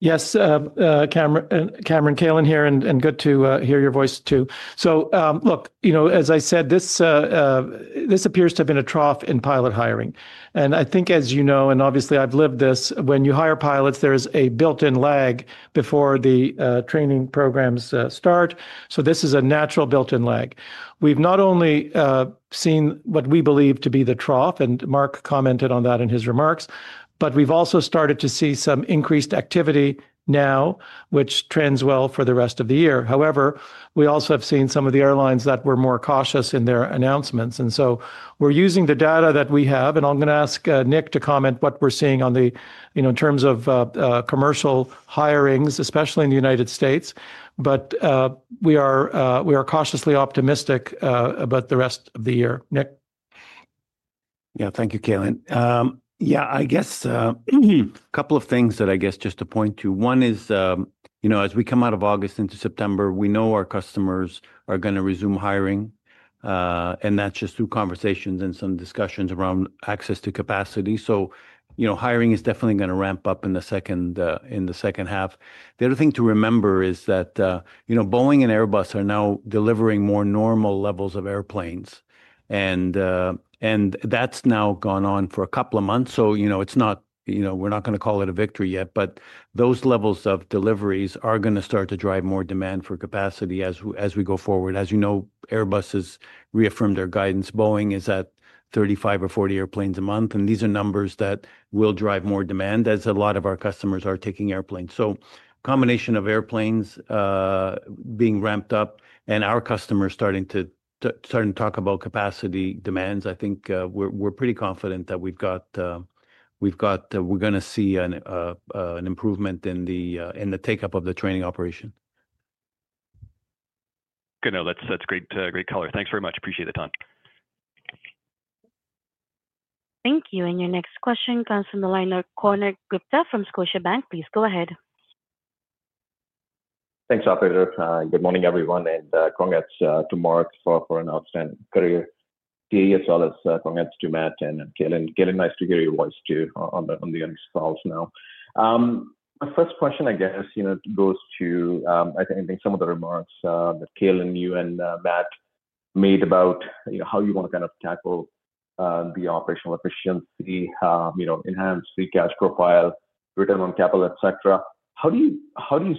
Yes, Cameron, Calin here and good to hear your voice too. Look, as I said, this appears to have been a trough in pilot hiring. I think, as you know, and obviously I've lived this, when you hire pilots, there's a built-in lag before the training programs start. This is a natural built-in lag. We've not seen what we believe to be the trough, and Marc commented on that in his remarks. We've also started to see some increased activity now, which trends well for the rest of the year. However, we also have seen some of the airlines that were more cautious in their announcements. We're using the data that we have, and I'm going to ask Nick to comment on what we're seeing in terms of commercial hirings, especially in the U.S., but we are cautiously optimistic about the rest of the year. Nick? Yeah, thank you, Calin. Yeah, I guess a couple of things. That, I guess, just to point to. One is, as we come out of August into September, we know. Our customers are going to resume hiring. That is just through conversations and some discussions around access to capacity. You know, hiring is definitely going. To ramp up in the second half. The other thing to remember is that, you know, Boeing and Airbus are now. Delivering more normal levels of airplanes, and that's now gone on for a couple of months. We're not going to call it a. Victory yet, but those levels of deliveries. Are going to start to drive more. Demand for capacity as we go forward. As you know, Airbus has reaffirmed their guidance. Boeing is at 35 or 40 airplanes. A month, and these are numbers that will drive more demand as a lot. Our customers are taking airplanes, a combination of airplanes being ramped up. Our customers are starting to talk about capacity demands. I think we're pretty confident that we've got it. We're going to see an improvement in the take up of the training operation. Good, that's great. Color. Thanks very much. Appreciate the time. Thank you. Your next question, Konark Gupta from Scotiabank, please go ahead. Thanks, appreciate it. Good morning everyone and congrats to Marc for an outstanding career as well as congrats to Matt and Calin. Calin, nice to hear your voice too on the earnings calls. Now my first question, I guess goes to, I think some of the remarks that Calin, you and Matt made about how you want to kind of tackle the operational efficiency, enhance the cash profile, return on capital, etc. How do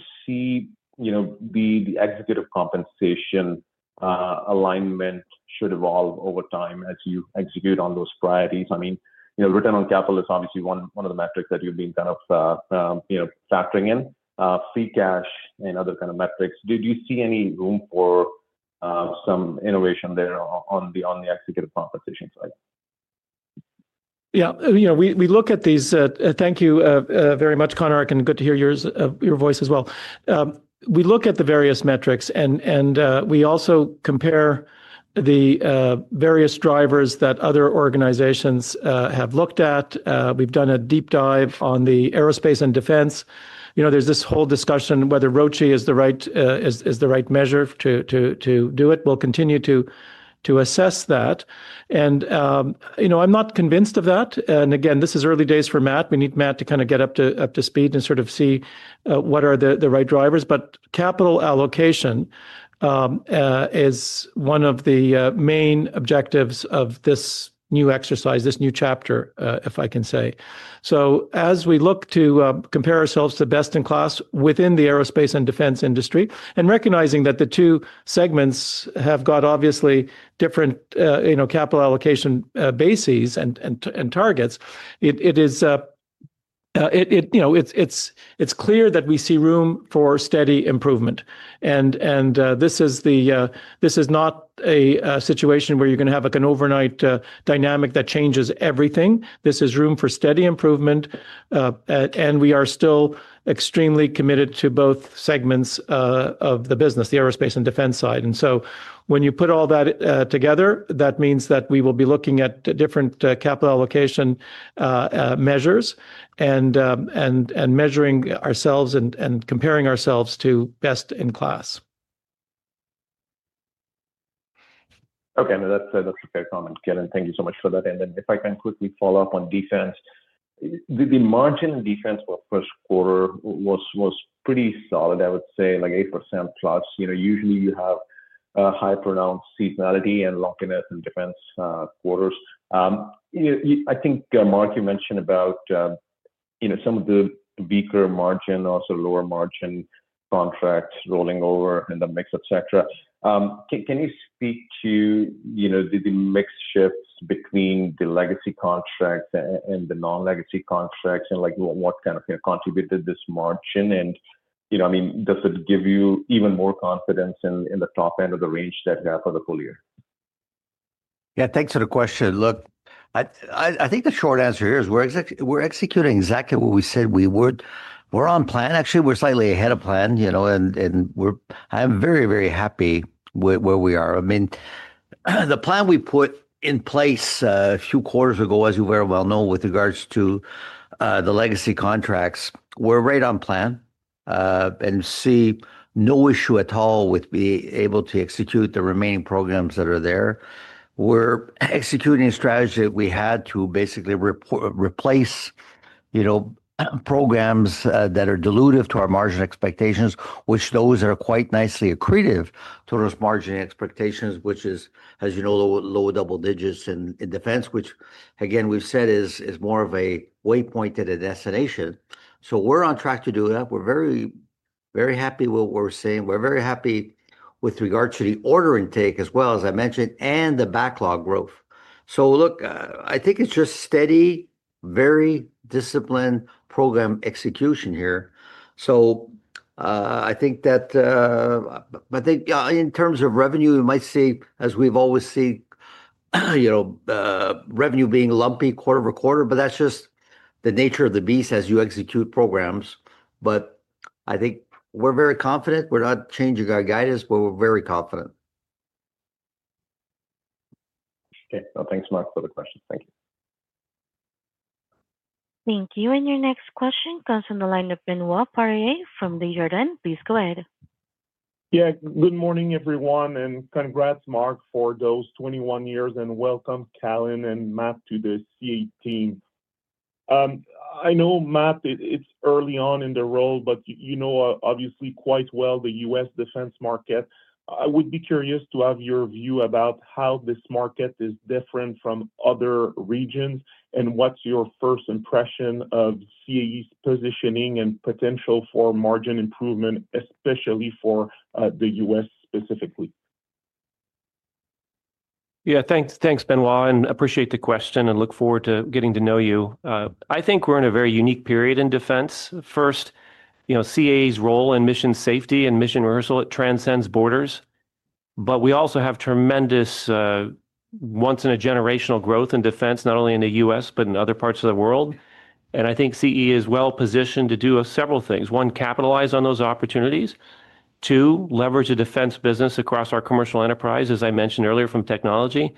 you see the executive compensation alignment should evolve over time as you execute on those priorities? I mean, return on capital is obviously one of the metrics that you've been kind of factoring in, free cash and other kind of metrics. Do you see any room for some innovation there on the executive compensation side? Yeah, you know, we look at these. Thank you very much, Konark, and good to hear your voice as well. We look at the various metrics and we also compare the various drivers that other organizations have looked at. We've done a deep dive on the aerospace and defense. There's this whole discussion whether Roche is the right measure to do it. We'll continue to assess that and I'm not convinced of that. This is early days for Matt. We need Matt to kind of get up to speed and sort of see what are the right drivers. Capital allocation is one of the main objectives of this new exercise, this new chapter, if I can say so. As we look to compare ourselves to best in class within the aerospace and defense industry and recognizing that the two segments have got obviously different capital allocation bases and targets, it's clear that we see room for steady improvement. This is not a situation where you're going to have an overnight dynamic that changes everything. This is room for steady improvement. We are still extremely committed to both segments of the business, the aerospace and defense side. When you put all that together, that means that we will be looking at different capital allocation measures and measuring ourselves and comparing ourselves to best in class. Okay, that's a fair comment, Calin. Thank you so much for that. If I can quickly follow up on defense, the margin in defense for first quarter was pretty solid. I would say like 8% plus. Usually you have high pronounced seasonality and locking it in defense quarters. I think Marc, you mentioned about, you know, some of the weaker margin, also lower margin contracts rolling over in the mix, etc. Can you speak to, you know, the mix shifts between the legacy contract and the non-legacy contracts and like what kind of contributed this margin and, you know, I mean, does it give you even more confidence in the top end of the range, that gap for the full year? Yeah. Thanks for the question. I think the short answer here is we're executing exactly what we said we would. We're on plan. Actually, we're slightly ahead of plan, you know, and I'm very, very happy with where we are. I mean the plan we put in place a few quarters ago, as you very well know, with regards to the legacy contracts, we're right on plan and see no issue at all with being able to execute the remaining programs that are there. We're executing a strategy that we had to basically replace programs that are dilutive to our margin expectations, which those are quite nicely accretive to those margin expectations, which is, as you know, low double digits in defense, which again we've said is more of a waypoint at a destination. We're on track to do that. We're very, very happy with what we're saying. We're very happy with regards to the order intake as well as, as I mentioned, and the backlog growth. I think it's just steady, very disciplined program execution here. I think that in terms of revenue you might see, as we've always seen, revenue being lumpy quarter over quarter, but that's just the nature of the beast as you execute programs. I think we're very confident. We're not changing our guidance, but we're very confident. Okay, thanks, Marc, for the question. Thank you. Your next question comes from the line of Benoit Poirier from Desjardins. Please go ahead. Yeah, good morning, everyone. Congrats, Marc, for those 21 years. Welcome, Calin and Matt, to the CAE team. I know, Matt, it's early on in the role, but you know obviously quite well the U.S. defense market. I would be curious to have your view about how this market is different from other regions. What's your first impression of CAE's positioning and potential for margin improvement, especially for the U.S. specifically? Yeah, thanks. Thanks, Benoit, and appreciate the question and look forward to getting to know you. I think we're in a very unique period in defense. First, you know, CAE's role in mission safety and mission rehearsal, it transcends borders. We also have tremendous once-in-a-generational growth in defense, not only in the U.S. but in other parts of the world. I think CAE is well positioned to do several things. One, capitalize on those opportunities. Two, leverage a defense business across our commercial enterprise, as I mentioned earlier, from technology.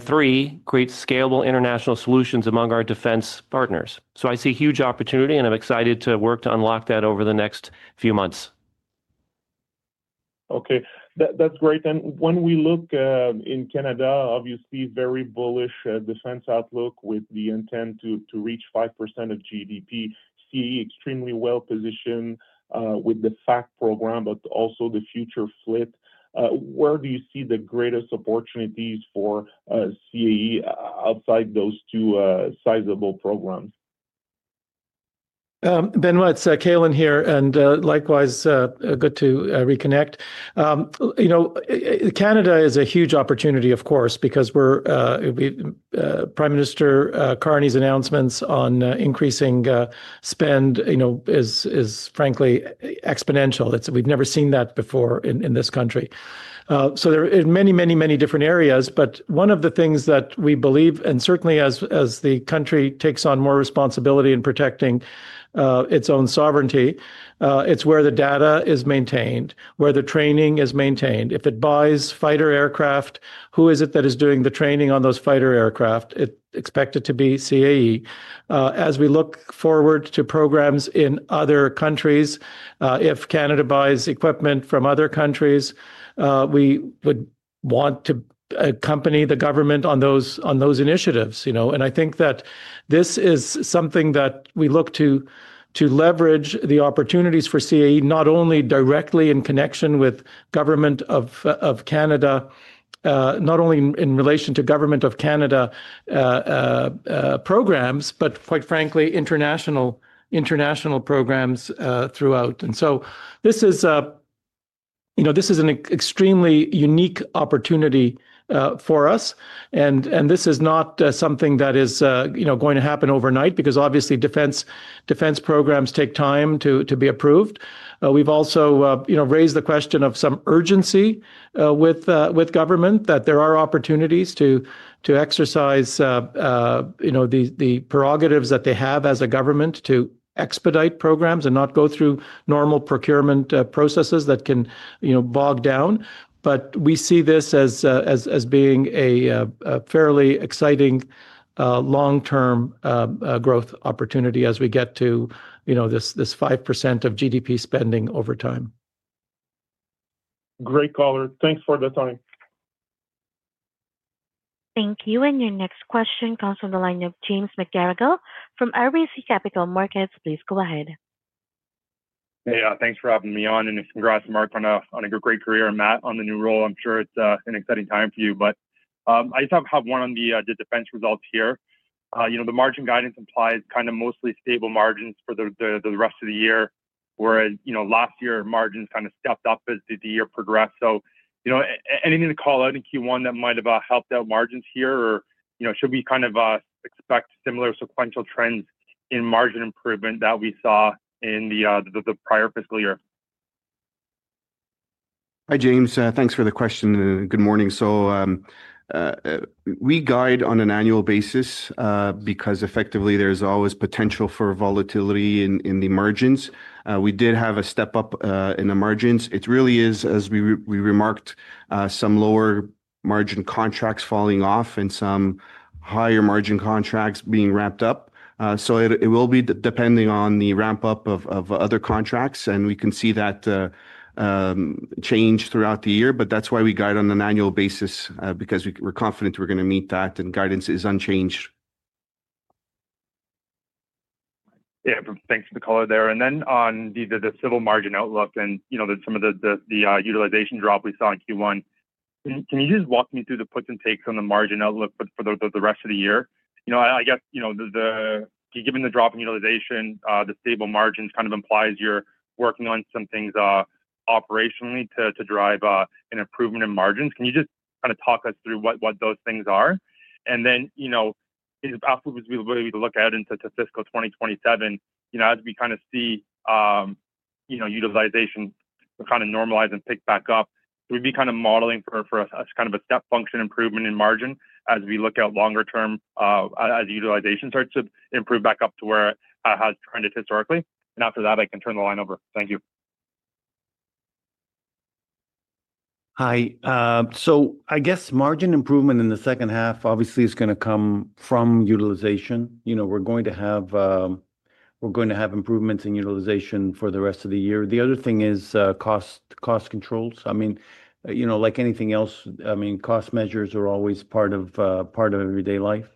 Three, create scalable international solutions among our defense partners. I see huge opportunity and I'm excited to work to unlock that over the next few months. Okay, that's great. When we look in Canada, obviously very bullish defense outlook with the intent to reach 5% of GDP. CAE extremely well positioned with the FACT program, but also the future FLIT. Where do you see the greatest opportunities for CAE outside those two sizable programs? Benoit, Calin here and likewise, good to reconnect. You know, Canada is a huge opportunity, of course, because with Prime Minister Carney's announcements on increasing spend, it is frankly exponential. We've never seen that before in this country. There are many, many, many different areas. One of the things that we believe, and certainly as the country takes on more responsibility in protecting its own sovereignty, is where the data is maintained, where the training is maintained. If it buys fighter aircraft, who is it that is doing the training on those fighter aircraft? It's expected to be CAE as we look forward to programs in other countries. If Canada buys equipment from other countries, we would want to accompany the government on those initiatives. I think that this is something that we look to leverage, the opportunities for CAE not only directly in connection with Government of Canada, not only in relation to Government of Canada programs, but quite frankly, international programs throughout. This is an extremely unique opportunity for us. This is not something that is going to happen overnight because obviously defense programs take time to be approved. We've also raised the question of some urgency with government that there are opportunities to exercise the prerogatives that they have as a government to expedite programs and not go through normal procurement processes that can bog down. We see this as being a fairly exciting long-term growth opportunity as we get to this 5% of GDP spending over time. Great caller. Thanks for the time. Thank you. Your next question comes from the lineup. James McGarragle from RBC Capital Markets. Please go ahead. Yeah, thanks for having me on and congrats, Marc, on a great career. Matt, on the new role, I'm sure it's an exciting time for you, but I just have one on the defense results here. The margin guidance implies kind of mostly stable margins for the rest of the year, whereas last year margins kind of stepped up as the year progressed. Is there anything to call out in Q1 that might have helped out margins here, or should we expect similar sequential trends in margin improvement that we saw in the prior fiscal year? Hi James, thanks for the question and good morning. We guide on an annual basis because effectively there's always potential for volatility in the margins. We did have a step up in the margins. It really is, as we remarked, some lower margin contracts falling off and some higher margin contracts being ramped up. It will be depending on the ramp up of other contracts. We can see that change throughout the year. That's why we guide on an annual basis because we're confident we're going to meet that. Guidance is unchanged. Yeah, thanks for the color there. On the civil margin outlook and some of the utilization drop we saw in Q1, can you just walk me through the puts and takes on the margin outlook for the rest of the year? I guess given the drop in utilization, the stable margins kind of implies you're working on some things operationally to drive an improvement in margins. Can you just kind of talk us through what those things are? Absolutely. To look ahead into fiscal 2027, as we kind of see utilization kind of normalize and pick back up, we'd be kind of modeling for kind of a step function improvement in margin as we look out longer term as utilization starts to improve back up to where it has trended historically. After that I can turn the line over. Thank you. Hi. I guess margin improvement in the second half obviously is going to come from utilization. We're going to have improvements in utilization for. The rest of the year. The other thing is cost, cost controls, I mean, you know, like anything else, cost measures are always part of everyday life.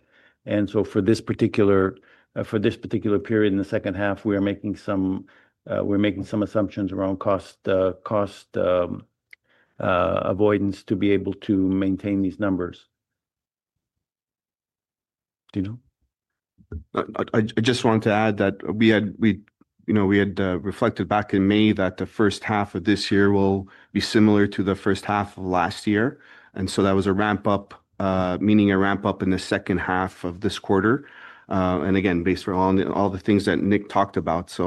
For this particular period in the second half, we are making some assumptions around cost. Avoidance to be able to maintain these numbers. Dino? I just wanted to add that we had reflected back in May that the first half of this year will be similar to the first half of last year. That was a ramp up, meaning a ramp up in the second half of this quarter, and again based on all the things that Nick talked about.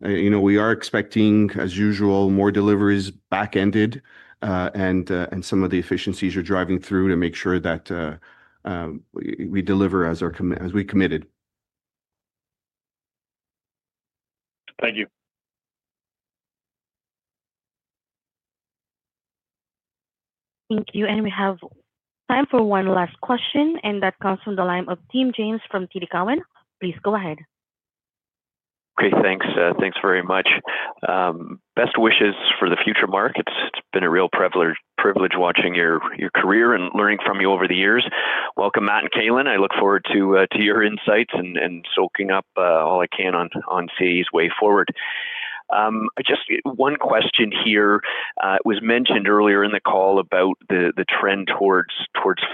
We are expecting, as usual, more deliveries back ended and some of the efficiencies you're driving through to make sure that we deliver as we committed. Thank you. Thank you. We have time for one last question and that comes from the line of Tim James from TD Cowen. Please go ahead. Okay, thanks. Thanks very much. Best wishes for the future. Marc, it's been a real privilege watching your career and learning from you over the years. Welcome, Matt and Calin. I look forward to your insights and soaking up all I can on CAE's way forward. Just one question here. It was mentioned earlier in the call about the trend towards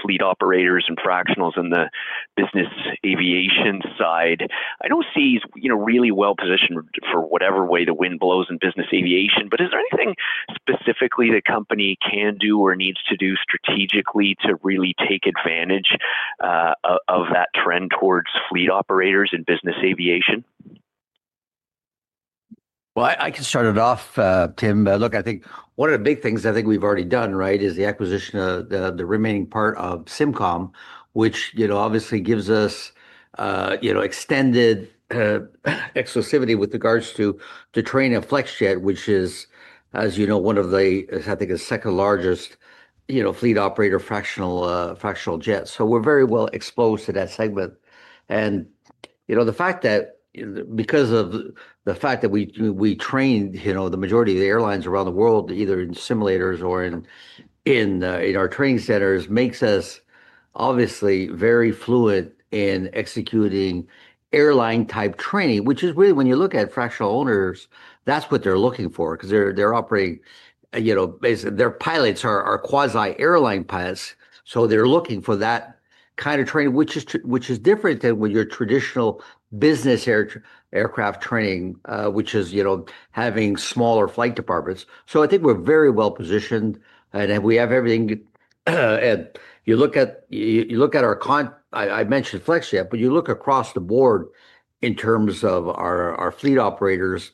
fleet operators and fractionals and the business aviation side. I don't see you really well positioned for whatever way the wind blows in business aviation, but is there anything specifically the company can do or needs to do strategically to really take advantage of that trend towards fleet operators and business aviation? I can start it off, Tim. Look, I think one of the big things I think we've already done right is the acquisition of the remaining part of Simcom, which obviously gives us extended exclusivity with regards to the training of Flexjet, which is, as you know, I think the second largest fleet operator, fractional jets. We're very well exposed to that segment. The fact that we train the majority of the airlines around the world, either in simulators or in our training centers, makes us obviously very fluid in executing airline type training, which is really, when you look at fractional owners, that's what they're looking for because they're operating basically their pilots are quasi airline pilots. They're looking for that kind of training, which is different than your traditional business aircraft training, which is having smaller flight departments. I think we're very well positioned and we have everything. I mentioned Flexjet, but you look across the board in terms of our fleet operators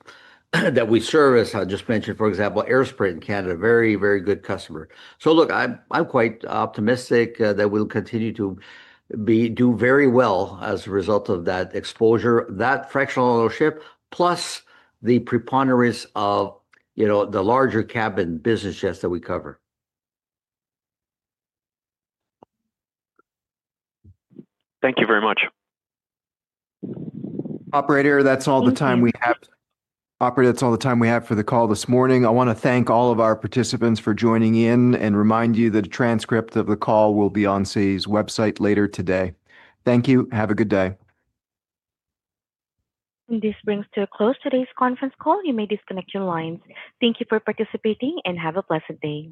that we service. I just mentioned, for example, AirSprint Canada. Very, very good customer. I'm quite optimistic that we'll continue to do very well as a result of that exposure, that fractional ship, plus the preponderance of the larger cabin business jets that we cover. Thank you very much. Operator, that's all the time we have. Operator, that's all the time we have for the call this morning. I want to thank all of our participants for joining in and remind you that a transcript of the call will be on CAE's website later today. Thank you. Have a good day. This brings to a close today's conference call. You may disconnect your lines. Thank you for participating and have a blessed day.